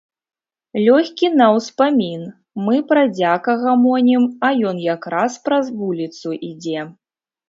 Лёгкі на ўспамін, мы пра дзяка гамонім, а ён якраз праз вуліцу ідзе.